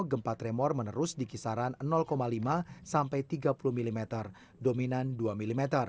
gempa tremor menerus di kisaran lima sampai tiga puluh mm dominan dua mm